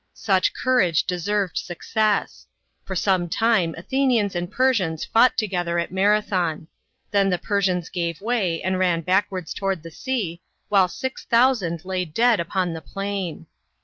Such courage deserved success. For some time Athenians and Persians fought together at Marathon ; then the Persians gave way and ran backwards toward the sea, while six thousand lay dead upon the plain.